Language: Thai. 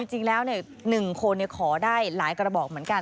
จริงแล้ว๑คนขอได้หลายกระบอกเหมือนกัน